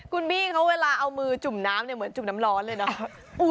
คุณบี้เขาเวลาเอามือจุ่มน้ำเนี่ยเหมือนจุ่มน้ำร้อนเลยเนาะ